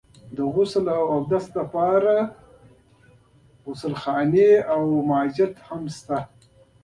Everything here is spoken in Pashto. د غسل او اوداسه لپاره تشنابونه او جومات هم شته.